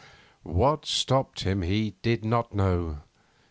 X What stopped him he did not know.